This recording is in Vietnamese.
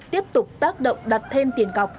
tiếp tục tác động đặt thêm tiền cọc